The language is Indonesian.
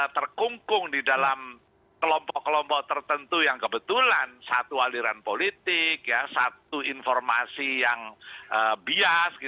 terkungkung di dalam kelompok kelompok tertentu yang kebetulan satu aliran politik satu informasi yang bias